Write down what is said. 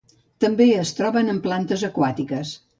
També es troben en plantes aquàtiques.